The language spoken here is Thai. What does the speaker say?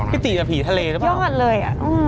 พี่ตีจะผีทะเลรึเปล่ายอดเลย